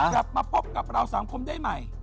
กลับมาพบกับเราสังคมได้ใหม่